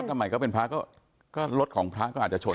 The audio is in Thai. ทำไมก็เป็นพระก็รถของพระก็อาจจะชน